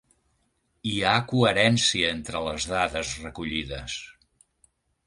Hi ha coherència entre les dades recollides.